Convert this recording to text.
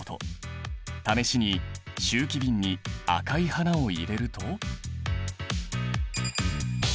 試しに集気瓶に赤い花を入れると。